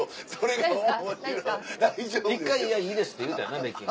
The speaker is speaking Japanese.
１回「いやいいです」って言うたよなベッキー。